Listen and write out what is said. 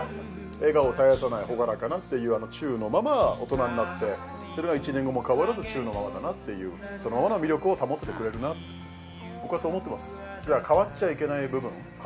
笑顔絶やさないほがらかなっていうあのチューのまま大人になってそれは１年後も変わらずチューのままだなっていうそのままの魅力を保っててくれるな僕はそう思ってます